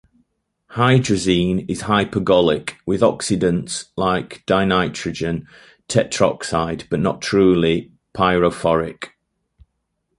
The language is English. Hydrazine is hypergolic with oxidants like dinitrogen tetroxide, but not truly pyrophoric.